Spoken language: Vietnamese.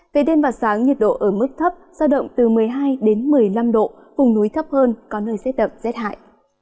về đêm và sáng nhiệt độ ở mức thấp giao động từ một mươi hai đến một mươi năm độ vùng núi thấp hơn có nơi rét đậm rét hại